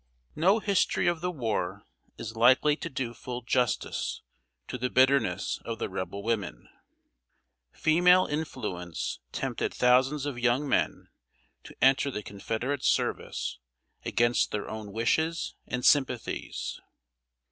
] No history of the war is likely to do full justice to the bitterness of the Rebel women. Female influence tempted thousands of young men to enter the Confederate service against their own wishes and sympathies.